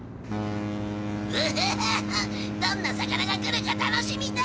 ヘヘヘヘどんな魚が来るか楽しみだ！